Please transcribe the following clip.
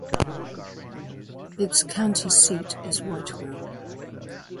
Its county seat is Whitehall.